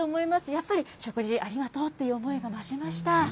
やっぱり、食事ありがとうという思いが増しました。